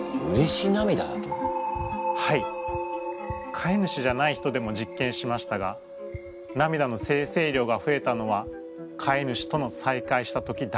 飼い主じゃない人でも実験しましたが涙の生成量がふえたのは飼い主との再会した時だけでした。